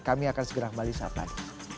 kami akan segera kembali saat lagi